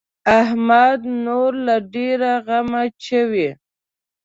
احمد نور له ډېره غمه چويي.